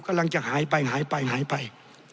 กำลังจะหายไปหายไป